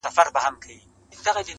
لا د مرګ په خوب ویده دی!!!